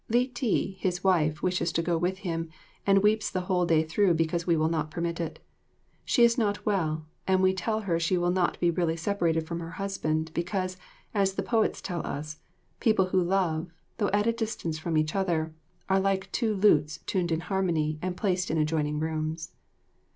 Li ti, his wife, wishes to go with him, and weeps the whole day through because we will not permit it. She is not well, and we tell her she will not be really separated from her husband, because, as the poets tell us, people who love, though at a distance from each other, are like two lutes tuned in harmony and placed in adjoining rooms.